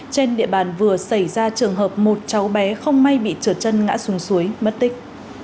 trên địa bàn vừa xảy ra trường hợp một cháu bé không may bị trượt chân ngã xuống suối mất tích